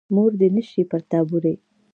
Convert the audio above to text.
مور دې نه شي پر تا بورې.